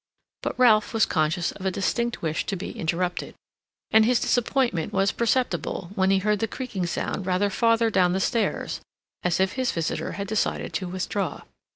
But Ralph was conscious of a distinct wish to be interrupted, and his disappointment was perceptible when he heard the creaking sound rather farther down the stairs, as if his visitor had decided to withdraw.